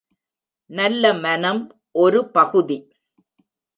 நல்ல மனம் ஒரு பகுதி.